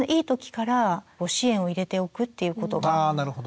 あなるほど。